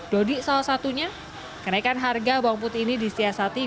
dodi salah satunya kenaikan harga bawang putih ini disiasati